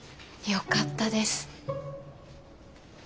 よかったです。